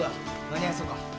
間に合いそうか？